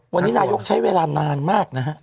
วันนี้นายกใช้เวลานานมากนะฮะ